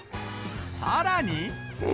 さらに。